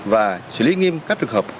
và xử lý nghiêm cấp trường hợp